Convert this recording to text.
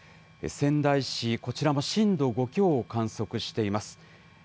仙台市、こちらも震度５強を観測しています。